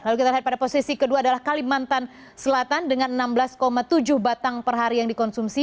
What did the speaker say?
lalu kita lihat pada posisi kedua adalah kalimantan selatan dengan enam belas tujuh batang per hari yang dikonsumsi